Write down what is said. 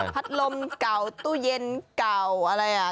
พัดลมเก่าตู้เย็นเก่าอะไรอ่ะ